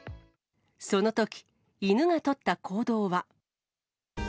そのとき、犬が取った行動は。